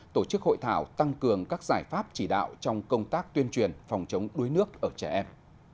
tổ chức hội thảo tăng cường các giải pháp chỉ đạo trong công tác tuyên truyền phòng chống đuối nước ở trẻ em